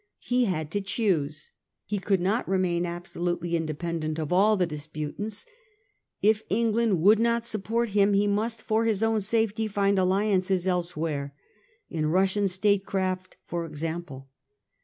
He had to choose. He could not remain absolutely independent of all the dis putants. If England would not support him, he must for his own safety find alliances elsewhere ; in Russian statecraft for example.